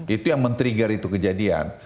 itu yang men trigger itu kejadian